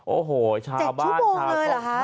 โอ้โห๗ชั่วโมงเลยเหรอฮะ